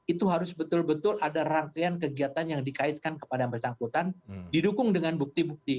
itu harus betul betul ada rangkaian kegiatan yang dikaitkan kepada yang bersangkutan didukung dengan bukti bukti